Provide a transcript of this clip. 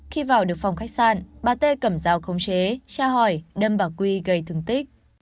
khi vào được phòng khách sạn bà tê cầm dao không chế tra hỏi đâm bà quy gây thương tích